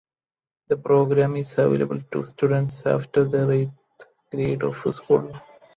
The program is available to students after their eighth grade of school.